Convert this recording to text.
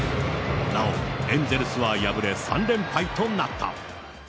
なお、エンゼルスは敗れ３連敗となった。